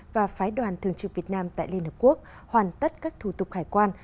và phái đoàn thường trực việt nam tại liên hợp quốc hoàn tất các thủ tục hải quan